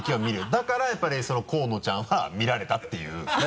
だからやっぱり河野ちゃんは見られたっていう